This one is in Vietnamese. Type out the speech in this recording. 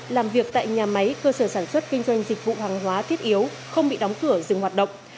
làm việc tại nhà máy cơ sở sản xuất kinh doanh dịch vụ hàng hóa thiết yếu không bị đóng cửa dừng hoạt động